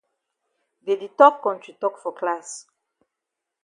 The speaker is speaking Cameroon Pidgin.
Dey di tok kontri tok for class.